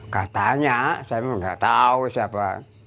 katanya saya memang tidak tahu siapa